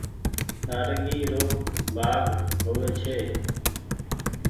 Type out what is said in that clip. نآريگي رو ڀآگ هووي ڇي۔